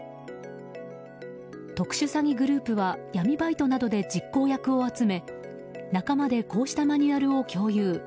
特殊詐欺グループは闇バイトなどで実行役を集め仲間でこうしたマニュアルを共有。